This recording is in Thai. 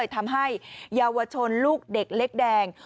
ทำให้เยาวชนลูกเด็กเล็กแดง